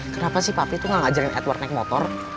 kenapa sih papi tuh gak ngajarin edward naik motor